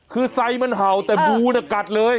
คือไซมันเห่าแต่งูน่ะกัดเลย